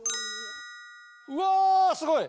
うわすごい！